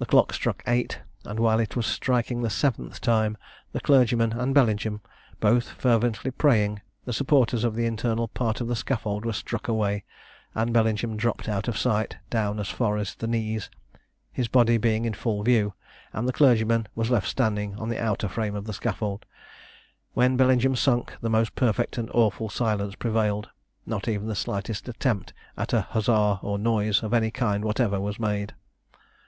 The clock struck eight, and while it was striking the seventh time, the clergyman and Bellingham both fervently praying, the supporters of the internal part of the scaffold were struck away, and Bellingham dropped out of sight down as far as the knees, his body being in full view, and the clergyman was left standing on the outer frame of the scaffold. When Bellingham sunk, the most perfect and awful silence prevailed; not even the slightest attempt at a huzza or noise of any kind whatever was made.